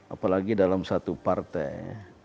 apalagi dalam satu partai